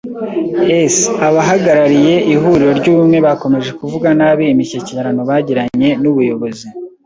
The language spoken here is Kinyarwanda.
[S] Abahagarariye ihuriro ry’ubumwe bakomeje kuvuga nabi imishyikirano bagiranye n’ubuyobozi.